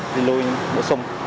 đi lui bổ sung